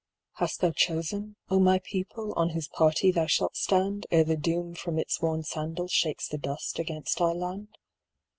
Hast thou chosen, O my people, on whose party thou shalt stand, Ere the Doom from its worn sandals shakes the dust against our land?